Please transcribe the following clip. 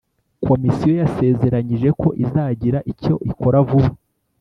komisiyo yasezeranyije ko izagira icyo ikora vuba.